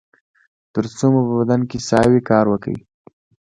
تر څو مو په بدن کې ساه وي کار وکړئ